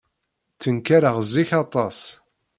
Ttenkareɣ zik aṭas.